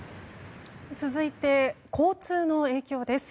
続いて、交通の影響です。